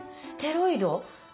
ステロイド？